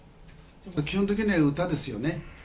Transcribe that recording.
基本的には歌ですよね。